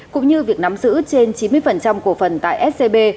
cũng như việc nắm giữ trên chín mươi cổ phần tại scb